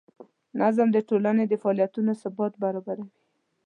نظم د ټولنې د فعالیتونو ثبات برابروي.